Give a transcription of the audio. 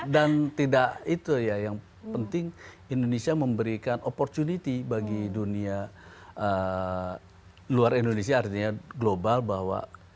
dan tidak itu ya yang penting indonesia memberikan opportunity bagi dunia luar indonesia artinya global bahwa